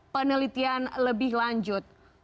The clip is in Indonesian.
penelitian lebih lanjut